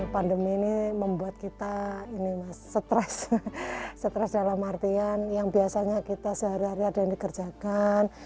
pandemi ini membuat kita ini mas stres stres dalam artian yang biasanya kita sehari hari ada yang dikerjakan